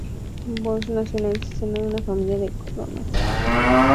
Bosh nació en el seno de una familia de colonos alemanes.